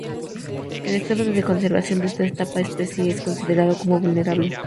El estado de conservación de esta especie es considerado como vulnerable.